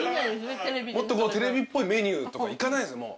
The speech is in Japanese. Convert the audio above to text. もっとテレビっぽいメニューとかいかないです